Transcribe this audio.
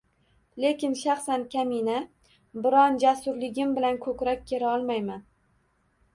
Lekin shaxsan kamina biron jasurligim bilan ko`krak kerolmayman